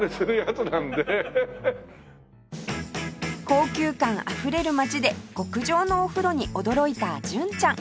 高級感あふれる街で極上のお風呂に驚いた純ちゃん